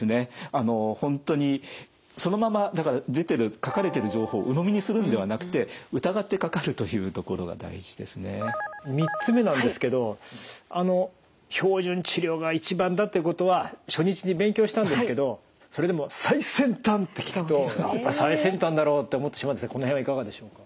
あの本当にそのまま出てる書かれてる３つ目なんですけどあの標準治療が一番だってことは初日に勉強したんですけどそれでも最先端って聞くとやっぱり最先端だろって思ってしまうんですがこの辺はいかがでしょうか？